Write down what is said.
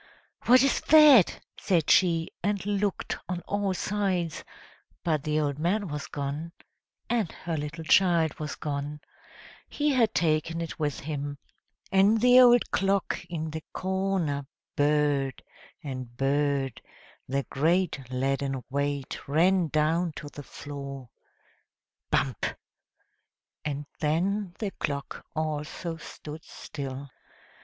"What is that?" said she, and looked on all sides; but the old man was gone, and her little child was gone he had taken it with him; and the old clock in the corner burred, and burred, the great leaden weight ran down to the floor, bump! and then the clock also stood still.